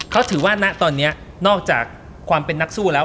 เขาถือว่าณตอนนี้นอกจากความเป็นนักสู้แล้ว